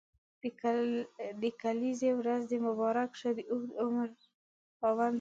د کلیزي ورځ دي مبارک شه د اوږد عمر خاوند سي.